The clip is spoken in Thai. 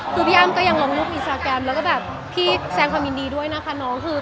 ก็พี่อ้ำก็ยังรองรบอินสตาแกรมพี่แสดงความจำเป็นขอบคุณด้วยนะคะคุณน้อง